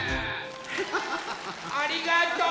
ありがとう！